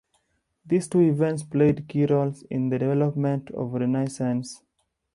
These two events played key roles in the development of the Renaissance.